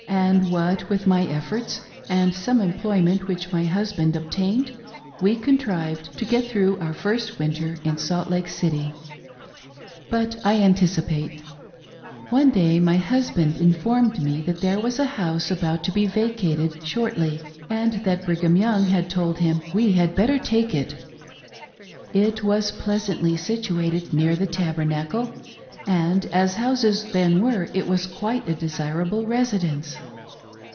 And what with my efforts, and some employment which my husband obtained, we contrived to get through our first, winter in Salt Lake City. But I anticipate. 3SO THE MILLINERY BILL OF BRIGHAM S WIVES. One day my husband informed me that there was a house about to be vacated shortly, and that Brigham Young had told him we had better take it. It was pleasantly situated near the Tabernacle, and, as houses then were, it was quite a desir able residence.